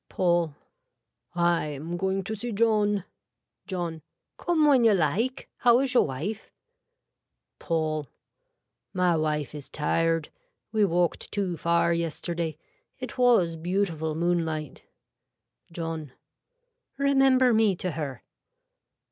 (Paul.) I am going to see John. (John.) Come when you like. How is your wife. (Paul.) My wife is tired. We walked too far yesterday. It was beautiful moonlight. (John.) Remember me to her.